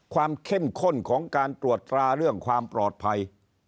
เข้มข้นของการตรวจตราเรื่องความปลอดภัย